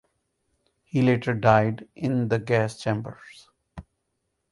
He later died in the gas chambers.